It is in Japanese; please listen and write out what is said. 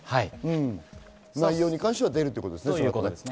内容については出るということですね。